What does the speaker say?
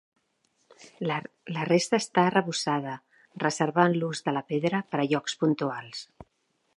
La resta està arrebossada, reservant l'ús de la pedra per a llocs puntuals.